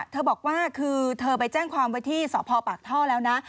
เธอบอกว่าคือเธอไปแจ้งความไว้ที่สพปากท่อแล้วนะ